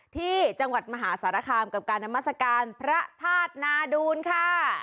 ที่จังหวัดมหาสารคามกับการนามัศกาลพระธาตุนาดูลค่ะ